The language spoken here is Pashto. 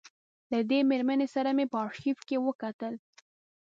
له دې مېرمنې سره مې په آرشیف کې وکتل.